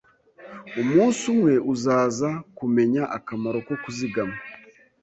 Umunsi umwe uzaza kumenya akamaro ko kuzigama.